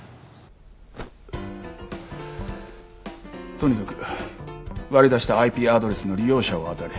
とにかく割り出したＩＰアドレスの利用者をあたれ。